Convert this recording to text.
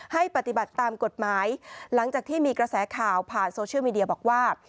ให้ปฏิบัติตามกฎหมายหลังจากที่มีกระแสข่าวผ่านโซเชียลมีเดียบอกว่า